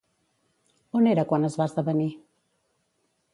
On era quan es va esdevenir?